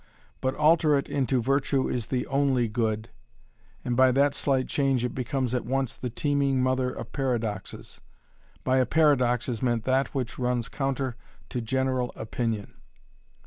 But alter it into "Virtue is the only good" and by that slight change it becomes at once the teeming mother of paradoxes. By a paradox is meant that which runs counter to general opinion.